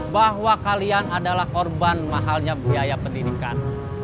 bahwa kalian adalah korban mahalnya biaya pendidikan